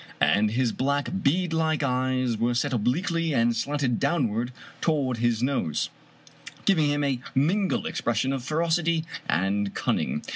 And his black, beadlike eyes were set obliquely, and slanted downward toward his nose, giving him a mingled expression of ferocity and cunning.